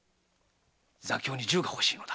座興に銃が欲しいのだ。